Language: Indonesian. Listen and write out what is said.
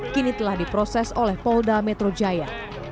kini telah diproses oleh polda metro jaya